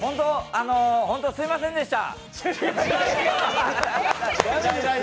本当すいませんでした。